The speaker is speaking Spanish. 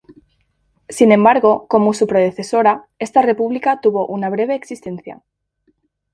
Sin embargo, como su predecesora, esta república tuvo una breve existencia.